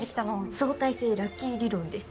相対性ラッキー理論です。